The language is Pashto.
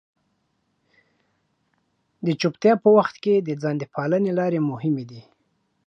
د چپتیا په وخت کې د ځان د پالنې لارې مهمې دي.